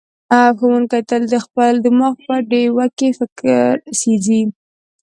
ښوونکی تل د خپل دماغ په ډیوه کې فکر سېځي.